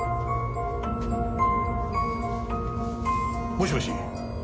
もしもし。